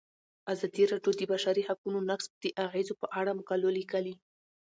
ازادي راډیو د د بشري حقونو نقض د اغیزو په اړه مقالو لیکلي.